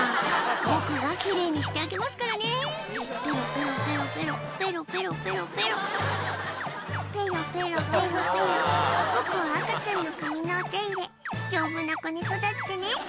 「僕が奇麗にしてあげますからねペロペロペロペロ」「ペロペロペロペロ」「ペロペロペロペロ僕は赤ちゃんの髪のお手入れ」「丈夫な子に育ってね」